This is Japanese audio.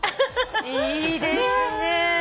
いいですね。